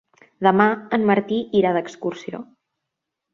Demà en Martí irà d'excursió.